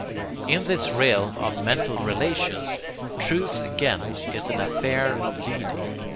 In this realm of mental relations, truth again is an affair of leading.